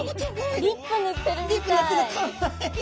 リップ塗ってるみたい。